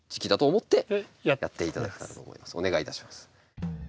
お願いいたします。